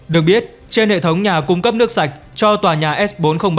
được biết trên hệ thống nhà cung cấp nước sạch cho tòa nhà s bốn trăm linh ba